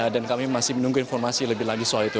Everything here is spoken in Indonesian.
dan kami masih menunggu informasi lebih lagi soal itu